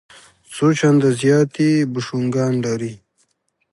څو چنده زیات یې بوشونګان لري.